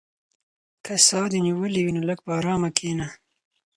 که ساه دې نیولې وي نو لږ په ارامه کښېنه.